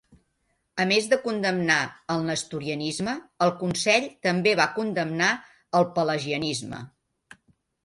A més de condemnar el Nestorianisme, el consell també va condemnar el Pelagianisme.